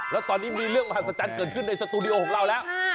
แล้วตอนนี้มีเรื่องภาษาจรรย์ของเราเป็นในสตูดีโอแล้ว